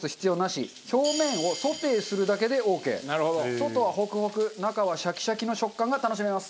外はホクホク中はシャキシャキの食感が楽しめます。